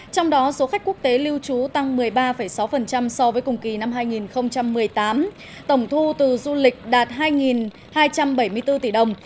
trong đó số khách quốc tế lưu trú tăng một mươi ba sáu so với cùng kỳ năm hai nghìn một mươi tám tổng thu từ du lịch đạt hai hai trăm bảy mươi bốn tỷ đồng